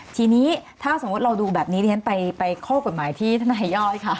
ทีนี้ถ้าสมมุติเราดูแบบนี้ที่ฉันไปข้อกฎหมายที่ธนายย่อยค่ะ